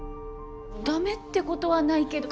ダメってことはないけど。